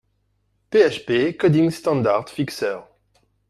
PHP Coding Standard Fixer